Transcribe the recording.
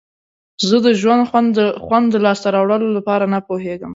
زه د ژوند خوند د لاسته راوړلو لپاره نه پوهیږم.